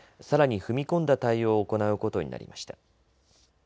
さらに踏み込んだ対応を行うことになりました。